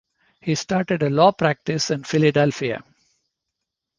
He started a law practice in Philadelphia.